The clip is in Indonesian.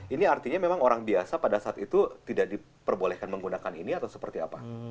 ini artinya memang orang biasa pada saat itu tidak diperbolehkan menggunakan ini atau seperti apa